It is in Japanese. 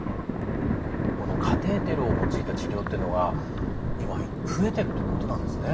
このカテーテルを用いた治療というのが今増えてるということなんですね。